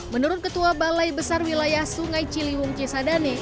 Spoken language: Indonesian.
menurut ketua balai besar wilayah sungai ciliwung ciesa dane